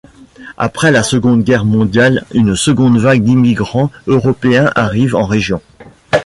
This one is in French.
Après la Seconde Guerre mondiale, une seconde vague d’immigrants européens arrive en région.